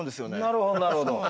なるほどなるほど。